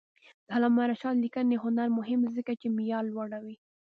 د علامه رشاد لیکنی هنر مهم دی ځکه چې معیار لوړوي.